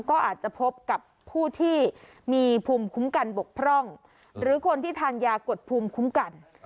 ก็อาจจะพบกับผู้ที่มีภูมิคุ้มกันบกพร่องหรือคนที่ทานยากดภูมิคุ้มกัน